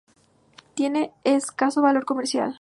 Tiene escaso valor comercial.